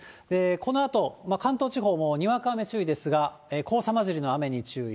このあと関東地方もにわか雨注意ですが、黄砂交じりの雨に注意。